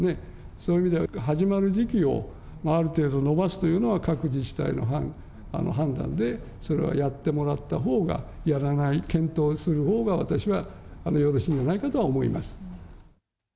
そういう意味では、始まる時期をある程度延ばすというのは、各自治体の判断でそれはやってもらったほうが、やらない、検討するほうが、私はよろしいんじゃないかとは思います。